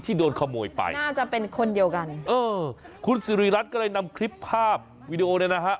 ที่โดนขโมยไปเออคุณสิริรัตน์ก็เลยนำคลิปภาพวีดีโอนี้นะฮะ